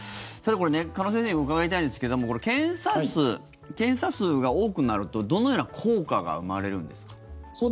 鹿野先生に伺いたいんですけど検査数が多くなるとどのような効果が生まれるんですか？